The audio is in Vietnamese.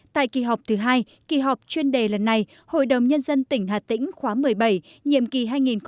tại kỳ họp thứ hai kỳ họp chuyên đề lần này hội đồng nhân dân tỉnh hà tĩnh khóa một mươi bảy nhiệm kỳ hai nghìn một mươi sáu hai nghìn hai mươi một